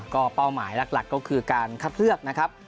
ก็เป้าหมายหลักก็คือการคัดเลือกนะครับ